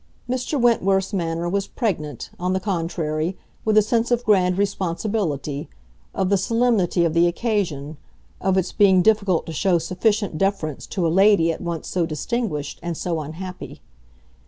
Mr. Wentworth's manner was pregnant, on the contrary, with a sense of grand responsibility, of the solemnity of the occasion, of its being difficult to show sufficient deference to a lady at once so distinguished and so unhappy.